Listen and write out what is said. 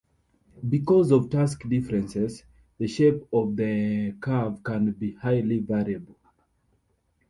Because of task differences, the shape of the curve can be highly variable.